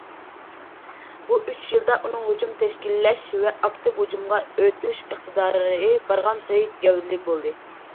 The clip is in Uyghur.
بۇ ئۈچ يىلدا ئۇنىڭ ھۇجۇم تەشكىللەش ۋە ئاكتىپ ھۇجۇمغا ئۆتۈش ئىقتىدارى بارغانسېرى گەۋدىلىك بولدى.